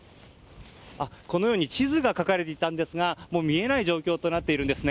このように地図が描かれていたんですがもう、見えない状況となっています。